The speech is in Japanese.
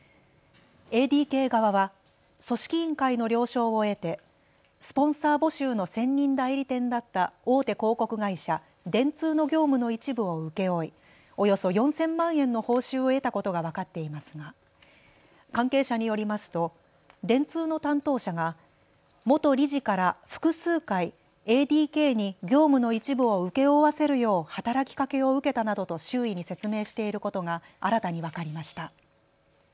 ＡＤＫ側は組織委員会の了承を得てスポンサー募集の専任代理店だった大手広告会社、電通の業務の一部を請け負い、およそ４０００万円の報酬を得たことが分かっていますが関係者によりますと電通の担当者が元理事から複数回ＡＤＫに業務の一部を請け負わせるよう働きかけを受けたなどと周囲に説明していることが新たに分かりました。